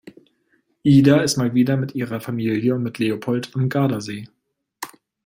Ida ist mal wieder mit ihrer Familie und mit Leopold am Gardasee.